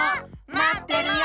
まってるよ！